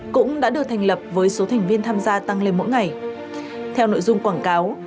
cũng đã được thành lập với số thành viên tham gia tăng lên mỗi ngày theo nội dung quảng cáo